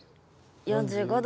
４５度。